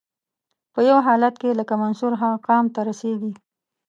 په یو حالت کې لکه منصور هغه مقام ته رسیږي.